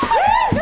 何？